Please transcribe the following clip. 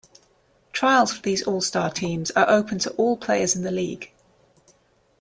Trials for these All-Star teams are open to all players in the league.